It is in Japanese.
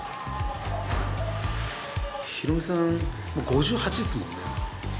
ヒロミさん、５８っすもんね。